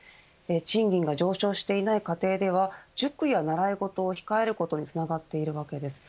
賃金が上昇していない家庭では塾や習いごとを控えることをにつながっているわけです。